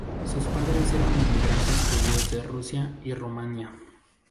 Sus padres eran inmigrantes judíos de Rusia y Rumania.